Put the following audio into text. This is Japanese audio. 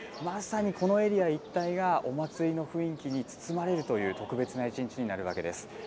まさにこのエリア一帯がお祭りの雰囲気に包まれるという特別な一日になるわけです。